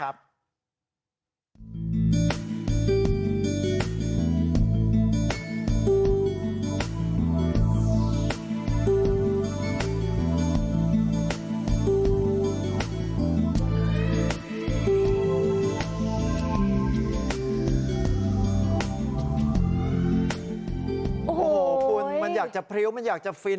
โอ้โหคุณมันอยากจะพริ้วมันอยากจะฟิน